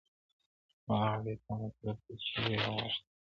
واعضِه تا مطرب ته چيري غوږ نېولی نه دی,